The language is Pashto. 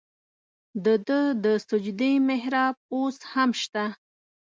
د ده د سجدې محراب اوس هم شته.